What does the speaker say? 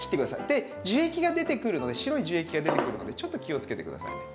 で樹液が出てくるので白い樹液が出てくるのでちょっと気をつけて下さいね。